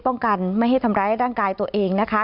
ป้องกันไม่ให้ทำร้ายร่างกายตัวเองนะคะ